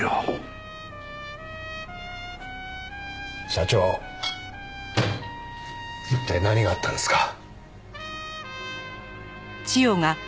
社長一体何があったんですか？